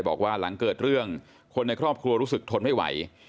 บอกว่าหลังเกิดเรื่องคนในครอบครัวรู้สึกทนไม่ไหว